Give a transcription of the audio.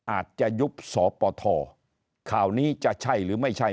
อาจจะยุบสปทข่าวนี้จะใช่หรือไม่ใช่